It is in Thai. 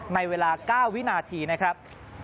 ในเวลา๙วินาทีนะครับ